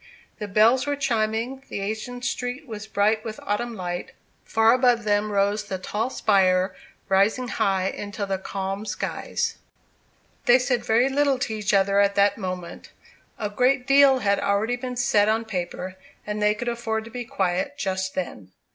The bells were chiming; the ancient street was bright with autumn light; far above them rose the tall spire, rising high into the calm skies. They said very little to each other at that moment. A great deal had already been said on paper, and they could afford to be quiet just then.